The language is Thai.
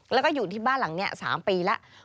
แล้วก็อยู่ที่บ้านหลังนี้๓ปีแล้ว